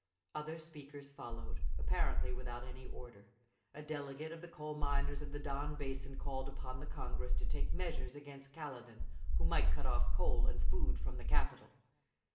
Other speakers followed, apparently without any order. A delegate of the coal miners of the Don Basin called upon the Congress to take measures against Kaledin, who might cut off coal and food from the capital.